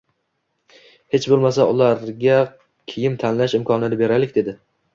Hech bo`lmasa, ularga kiyim tanlash imkonini beraylik dedi